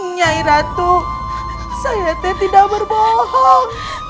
nyai ratu saya teh tidak berbohong